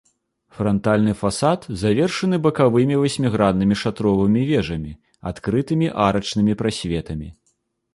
Франтальны фасад завершаны бакавымі васьміграннымі шатровымі вежамі, адкрытымі арачнымі прасветамі.